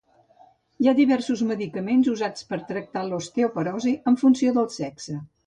Hi ha diversos medicaments usats per tractar l'osteoporosi, en funció del sexe.